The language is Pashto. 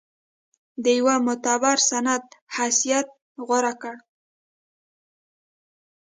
د یوه معتبر سند حیثیت غوره کړ.